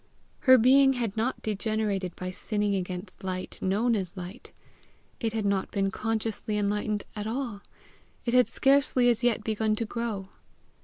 Her being had not degenerated by sinning against light known as light; it had not been consciously enlightened at all; it had scarcely as yet begun to grow.